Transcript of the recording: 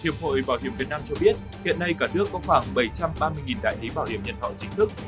hiệp hội bảo hiểm việt nam cho biết hiện nay cả nước có khoảng bảy trăm ba mươi đại lý bảo hiểm nhân thọ chính thức